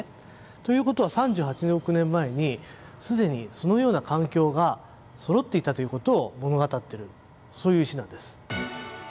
ということは３８億年前にすでにそのような環境がそろっていたということを物語ってるそういう石なんです。